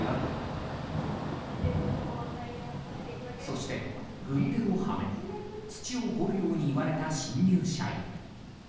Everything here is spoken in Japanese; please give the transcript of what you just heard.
そして、軍手をはめ土を掘るように言われた新入社員。